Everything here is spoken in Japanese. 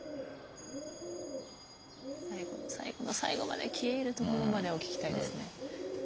最後の最後の最後まで消え入るところまでを聞きたいですね。